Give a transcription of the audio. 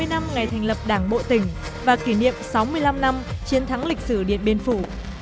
bảy mươi năm ngày thành lập đảng bộ tỉnh và kỷ niệm sáu mươi năm năm chiến thắng lịch sử điện biên phủ